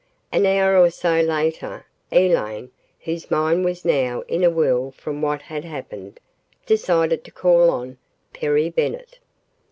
An hour or so later, Elaine, whose mind was now in a whirl from what had happened, decided to call on Perry Bennett.